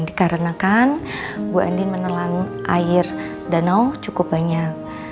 dikarenakan bu andin menelan air danau cukup banyak